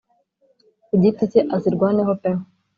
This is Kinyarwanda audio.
Ku giti cye azirwane ho pe